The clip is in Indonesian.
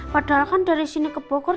padahal kan dari sini ke bogor